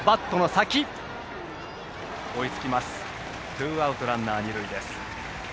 ツーアウトランナー、二塁です。